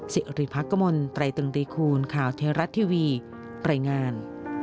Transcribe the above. สิริพักกมลตรายตึงตีคูณข่าวเทราะทีวีรายงาน